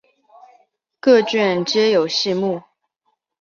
各卷皆有细目。